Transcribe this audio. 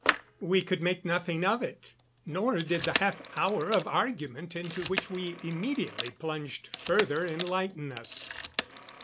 We could make nothing of it, nor did the half hour of argument into which we immediately plunged further enlighten us.